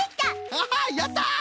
ハハッやった！